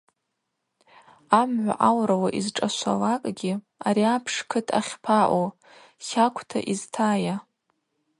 Амгӏва аурала йызшӏашвалакӏгьи – Ари апш кыт ахьпаъу, хаквта йызтайа?